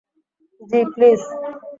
জ্বি, প্লিজ।